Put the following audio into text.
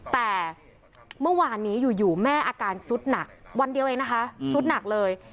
แต่เมื่อวานนี้อยู่แม่อาการสุดหนักวันเดียวเองนะคะสุดหนักเลย